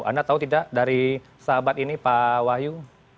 anda tahu tidak dari sahabat ini pak wahyu